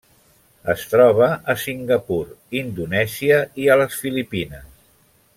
Es troba a Singapur, Indonèsia i a les Filipines.